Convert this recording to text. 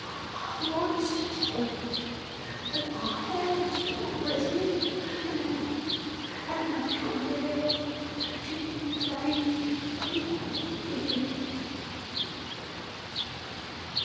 I wants to tell him that I am as poor as him now and have come there to be laid along with him."